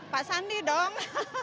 pak sandi dong